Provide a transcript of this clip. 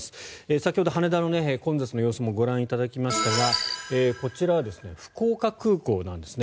先ほど羽田の混雑の様子もご覧いただきましたがこちら、福岡空港なんですね。